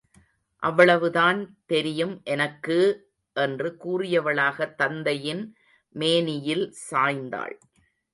அவ்வளவுதான் தெரியும் எனக்கு! என்று கூறியவளாகத் தந்தையின் மேனியில் சாய்ந்தாள்.